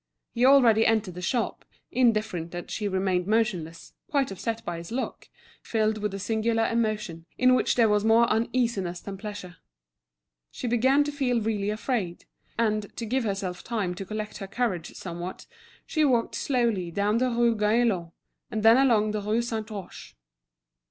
He already entered the shop, indifferent that she remained motionless, quite upset by his look, filled with a singular emotion, in which there was more uneasiness than pleasure. She began to feel really afraid, and, to give herself time to collect her courage somewhat, she walked slowly down the Rue Gaillon, and then along the Rue Saint Roch.